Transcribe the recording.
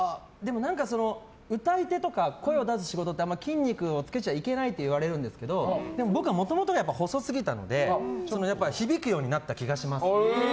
歌い手とか声を出す仕事って筋肉をあまりつけちゃいけないといわれるんですけど僕はもともとが細すぎたので響くようになった気がします。